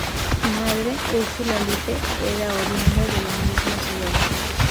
Su madre, Ursula Lippe, era oriunda de la misma ciudad.